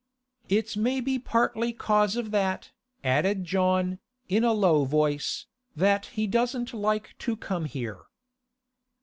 'It's maybe partly 'cause of that,' added John, in a low voice, 'that he doesn't like to come here.